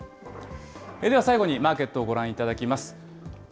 では最後に、マーケットをご覧いただきます。